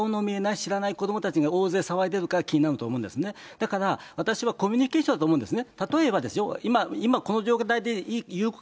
やっぱり顔の見えない、知らない子どもたちが騒いでるから気になると思うんですよ、コミュニケーションだと思うんですね。